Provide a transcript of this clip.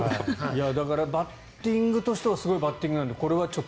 だからバッティングとしてはすごいバッティングなので。